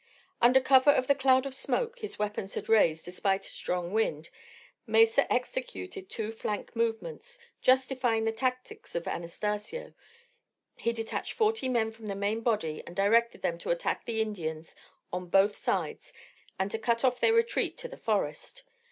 Under cover of the cloud of smoke his weapons had raised despite a strong wind, Mesa executed two flank movements, justifying the tactics of Anastacio: he detached forty men from the main body and directed them to attack the Indians on both sides and to cut off their retreat to the forest.